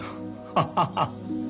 ハハハ！